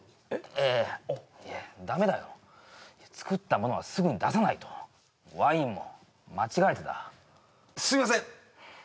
ええダメだよ作ったものはすぐに出さないとワインも間違えてたすいません！